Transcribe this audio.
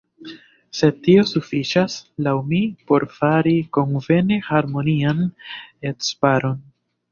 Sed tio sufiĉas, laŭ mi, por fari konvene harmonian edzparon.